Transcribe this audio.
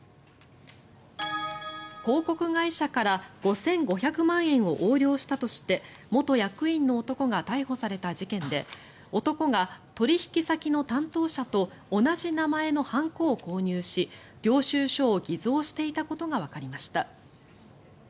広告会社から５５００万円を横領したとして元役員の男が逮捕された事件で男が取引先の担当者と同じ名前の判子を購入し領収書を偽造していたことがわかりました。